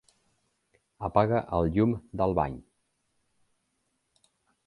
Apaga el llum del bany.